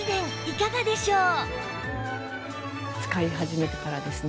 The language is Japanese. いかがでしょう？